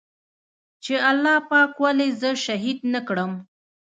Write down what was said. چې الله پاک ولې زه شهيد نه کړم.